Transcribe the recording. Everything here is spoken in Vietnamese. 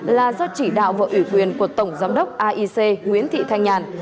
là do chỉ đạo vợ ủy quyền của tổng giám đốc aic nguyễn thị thanh nhàn